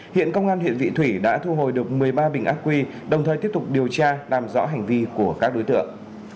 hiện công an huyện vị thủy đã thu hồi được một mươi ba bình ác quy đồng thời tiếp tục điều tra làm rõ hành vi của các đối tượng